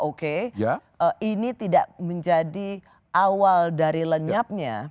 oke ini tidak menjadi awal dari lenyapnya